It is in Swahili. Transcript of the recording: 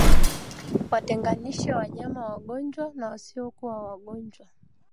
Watenganishe wanyama wagonjwa na wasiokuwa wagonjwa